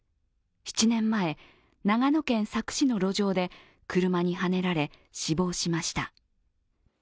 ７年前、長野県佐久市の路上で車にはねられ死亡しました。